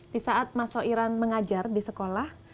di saat mas soiran mengajar di sekolah